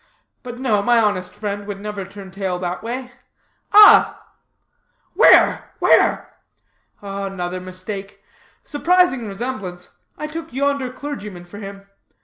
But no, my honest friend would never turn tail that way. Ah! " "Where? where?" "Another mistake. Surprising resemblance. I took yonder clergyman for him.